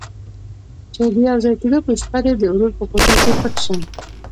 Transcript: چې د يوځای کېدو په شپه دې د ورور په کوټه کې پټ شه.